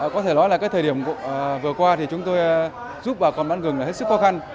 có thể nói là thời điểm vừa qua chúng tôi giúp bà con bán gừng là hết sức khó khăn